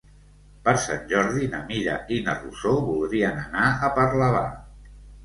Per Sant Jordi na Mira i na Rosó voldrien anar a Parlavà.